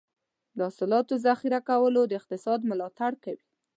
د حاصلاتو ذخیره کول د اقتصاد ملاتړ کوي.